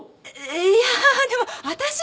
いやでも私は。